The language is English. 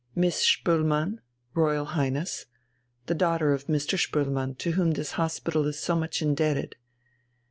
"Miss Spoelmann, Royal Highness, the daughter of Mr. Spoelmann to whom this hospital is so much indebted."